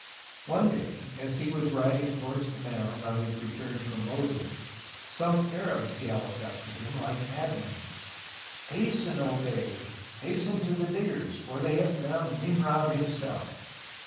One day, as he was riding towards the mound on his return from Mosul, some Arabs galloped up to him like madmen. " Hasten, O Bey ! hasten to the diggers, for they have found Nimrod himself.